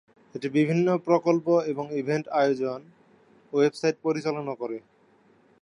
এটি বিভিন্ন প্রকল্প এবং ইভেন্ট আয়োজন, ওয়েবসাইট পরিচালনা করে।